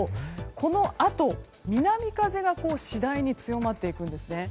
このあと南風が次第に強まっていくんですね。